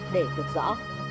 để được rõ